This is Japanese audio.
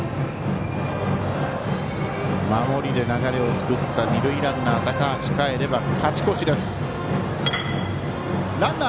守りで流れを作った二塁ランナー高橋かえれば勝ち越しです。